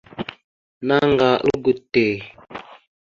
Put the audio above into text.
Naŋga algo te.